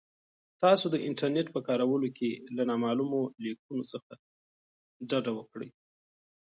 تاسو د انټرنیټ په کارولو کې له نامعلومو لینکونو څخه ډډه وکړئ.